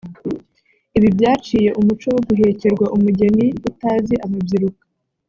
Ibi byaciye umuco wo guhekerwa umugeni utazi amabyiruka